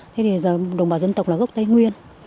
thế thì đồng bào dân tộc là gốc tây nguyên